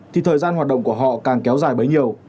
thì thời gian hoạt động của họ càng kéo dài bấy nhiêu